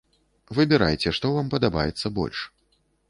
Выбірайце, што вам падабаецца больш.